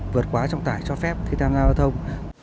vượt quá trọng tải cho phép khi tham gia giao thông